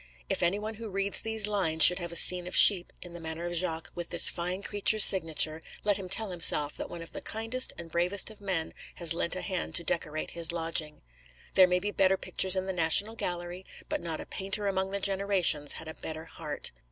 If any one who reads these lines should have a scene of sheep, in the manner of Jacques, with this fine creature's signature, let him tell himself that one of the kindest and bravest of men has lent a hand to decorate his lodging. There may be better pictures in the National Gallery; but not a painter among the generations had a better heart.